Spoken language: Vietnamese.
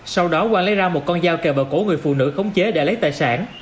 sau đó quang lấy ra một con dao kè bờ cổ người phụ nữ khống chế để lấy tài sản